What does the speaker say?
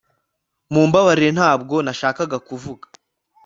mumbabarire, ntabwo nashakaga kuvuga